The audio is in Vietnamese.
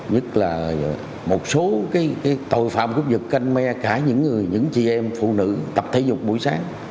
nhất là một số tội phạm cướp dực canh me cả những chị em phụ nữ tập thể dục buổi sáng